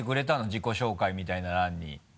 自己紹介みたいな欄に。